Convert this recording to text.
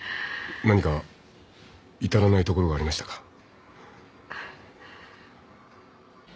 何か至らないところがありましたか？